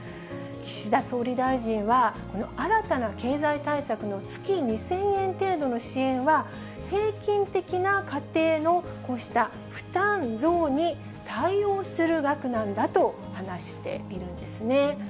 岸田総理大臣は、この新たな経済対策の月２０００円程度の支援は、平均的な家庭のこうした負担増に対応する額なんだと話しているんですね。